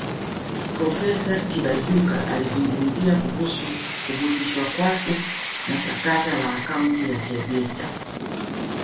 Profesa Tibaijuka alizungumzia kuhusu kuhusishwa kwake na sakata la Akaunti ya Tegeta